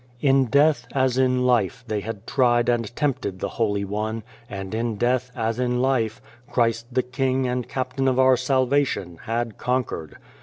In death, as in life, they had tried and tempted the Holy One ; and in death, as in life, Christ, the King and Captain of our salvation, had conquered.